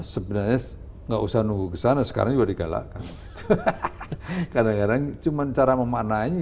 sebenarnya enggak usah nunggu kesana sekarang juga digalakkan kadang kadang cuman cara memaknai